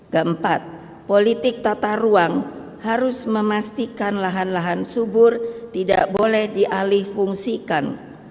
keempat politik tata ruang harus memastikan lahan lahan subur tidak boleh dialih fungsikan